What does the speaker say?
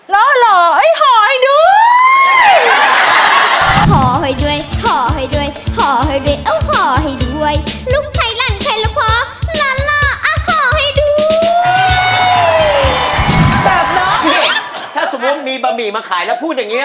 น้องถ้าสมมุติมีบะหมี่มาขายแล้วพูดอย่างนี้